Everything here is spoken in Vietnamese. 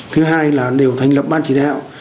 thứ hai là đều thành lập ban chỉ đạo